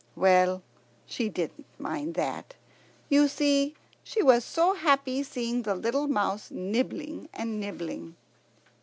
Well, she didn't mind that. You see, she was so happy seeing the little mouse nibbling and nibbling.